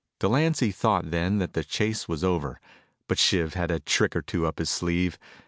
Delancy thought then that the chase was over, but Shiv had a trick or two up his sleeve.